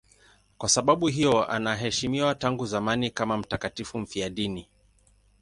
Kwa sababu hiyo anaheshimiwa tangu zamani kama mtakatifu mfiadini.